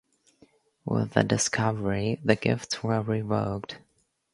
With the discovery, the gifts were revoked.